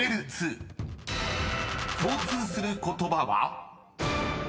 ［共通する言葉は？］